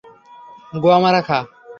গোয়া মারা খা!